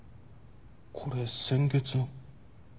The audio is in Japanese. これ先月の。